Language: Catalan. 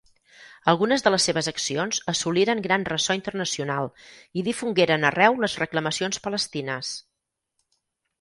Algunes de les seves accions assoliren gran ressò internacional i difongueren arreu les reclamacions palestines.